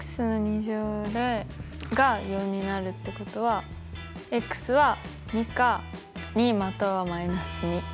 が４になるってことはは２か２または−２。